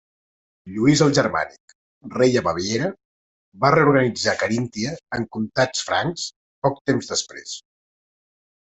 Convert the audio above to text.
Lluís el Germànic, rei a Baviera, va reorganitzar Caríntia en comtats francs poc temps després.